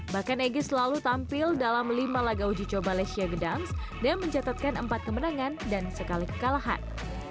bahkan egy selalu tampil dalam lima laga uji coba lesia gedangs dan mencatatkan empat kemenangan dan sekali kekalahan